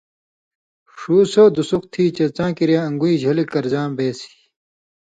ݜُو سو دُسُق تھی چے څاں کِریا ان٘گُوی جھلیۡ کرژاں بیسیۡ۔